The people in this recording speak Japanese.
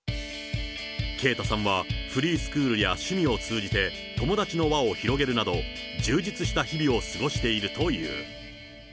圭太さんは、フリースクールや趣味を通じて友達の輪を広げるなど、充実した日々を過ごしているという。